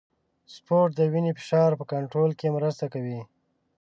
سپورت د وینې فشار په کنټرول کې مرسته کوي.